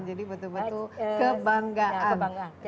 jadi betul betul kebanggaan dari lampung selatan